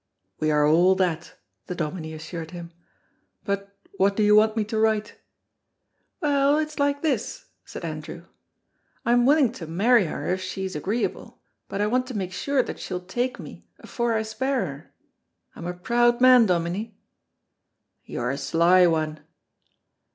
"We are all that," the Dominie assured him. "But what do you want me to write?" "Well, it's like this," said Andrew, "I'm willing to marry her if she's agreeable, but I want to make sure that she'll take me afore I speir her. I'm a proud man, Dominie." "You're a sly one!"